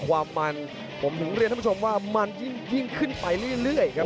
ความมันผมถึงเรียนท่านผู้ชมว่ามันยิ่งขึ้นไปเรื่อยครับ